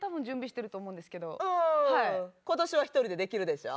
うん今年は１人でできるでしょ。